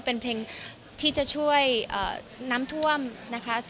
เป็นเพลงที่จะช่วยน้ำท่วมนะคะ